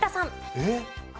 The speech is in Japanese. えっ？